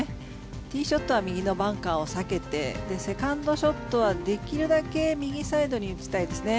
ティーショットは右のバンカーを避けてセカンドショットはできるだけ右サイドに打ちたいですね。